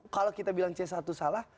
kalau kita bilang c satu salah